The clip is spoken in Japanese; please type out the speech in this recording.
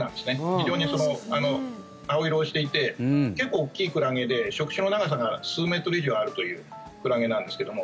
非常に青色をしていて結構、大きいクラゲで触手の長さが数メートル以上あるというクラゲなんですけども。